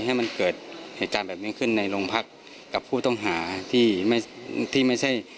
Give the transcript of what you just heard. ให้มันเกิดเหตุการณ์แบบนี้ขึ้นในโรงพักกับผู้ต้องหาที่ไม่ที่ไม่ใช่